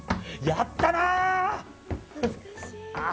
やったなあ。